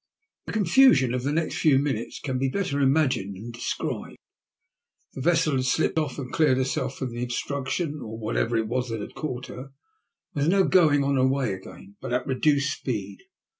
The confusion of the next few minutes can be better imagined than described. The vessel had slipped off and cleared herself from the obstruction whatever it was that had caught her, and was now going on her way again, but at reduced speed.